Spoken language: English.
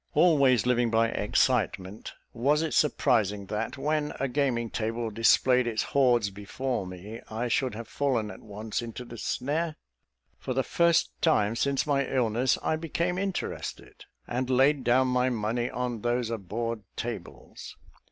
Always living by excitement, was it surprising that, when a gaming table displayed its hoards before me, I should have fallen at once into the snare? For the first time since my illness, I became interested, and laid down my money on those abhorred tables.